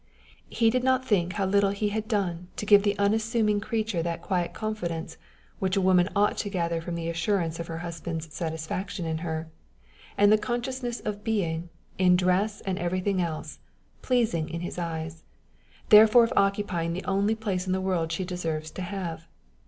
He did not think how little he had done to give the unassuming creature that quiet confidence which a woman ought to gather from the assurance of her husband's satisfaction in her, and the consciousness of being, in dress and everything else, pleasing in his eyes, therefore of occupying the only place in the world she desires to have.